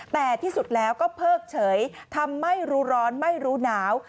แต่ที่สุดแล้วก็เพิกเฉยทำไม่รู้ร้อนไม่รู้หนาว